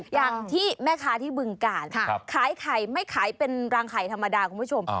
อย่างที่แม่ค้าที่บึงกาลขายไข่ไม่ขายเป็นรางไข่ธรรมดาคุณผู้ชม